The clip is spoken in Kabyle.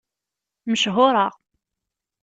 Mechuṛeɣ.